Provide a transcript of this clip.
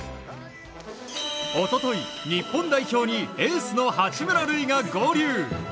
一昨日、日本代表にエースの八村塁が合流。